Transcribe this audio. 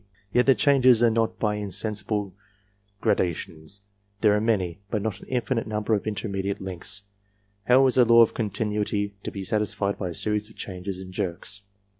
<(Yek the changes arenotjby_ ,. insensible gradations ; there are many, but not an infinite number of int.ftTTnftdia.tp, links ; how is the law of continuity to~ be satisfied 45y~ a^^rjes_pTchanges in jerks